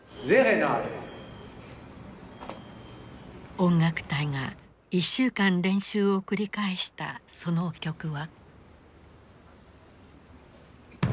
音楽隊が１週間練習を繰り返したその曲は。